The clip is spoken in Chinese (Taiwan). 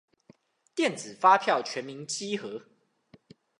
電子發票全民稽核